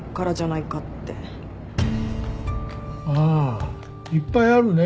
あいっぱいあるね。